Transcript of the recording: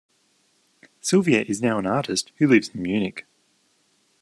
Silvia is now an artist who lives in Munich.